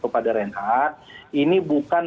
kepada renard ini bukan